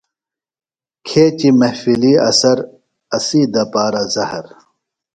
کھیچیۡ محفلی اثر اسی دپارہ زہر۔